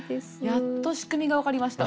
やっと仕組みが分かりました。